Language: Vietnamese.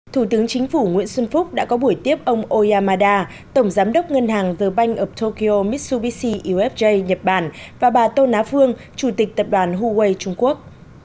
thủ tướng chính phủ nguyễn xuân phúc đã có buổi tiếp ông oyamada tổng giám đốc ngân hàng the bank of tokyo mitsubishi ufj nhật bản và bà tô ná phương chủ tịch tập đoàn huawei trung quốc